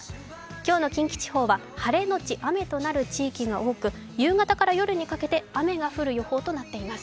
今日の近畿地方は晴れのち雨となる地域が多く、夕方から夜に駆けて雨が降る予報となっています。